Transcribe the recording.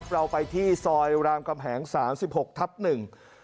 เราไปที่ซอยรามกำแหงสามสิบหกทับหนึ่ง